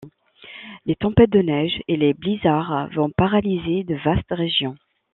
Les tempêtes de neige et les blizzards vont paralyser de vastes régions.